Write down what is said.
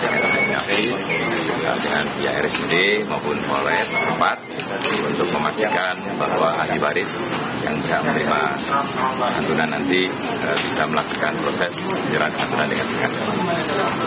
terima kasih dengan pihak rsud maupun polres tempat untuk memastikan bahwa ahli baris yang tidak menerima santunan nanti bisa melakukan proses penyerahan aturan dengan sehat